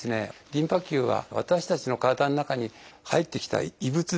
リンパ球は私たちの体の中に入ってきた異物ですね